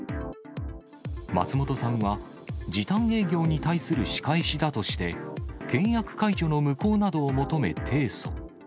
松本さんは、時短営業に対する仕返しだとして、契約解除の無効などを求め提訴。